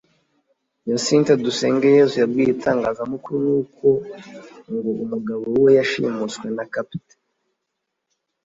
Hyacinthe Dusengeyezu yabwiye itangazamakuru n’uko ngo umugabo we yashimuswe na capt